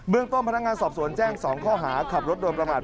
ต้นพนักงานสอบสวนแจ้ง๒ข้อหาขับรถโดยประมาท